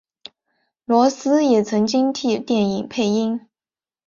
罗斯也曾经替电影配音。